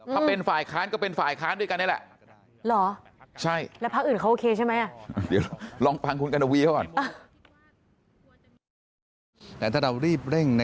ถ้าเป็นฝ่ายค้านก็เป็นฝ่ายค้านด้วยกันนี่แหละ